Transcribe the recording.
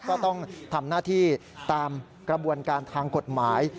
ก็ต้องทำหน้าที่ตามกระบวนการทางกฎหมาย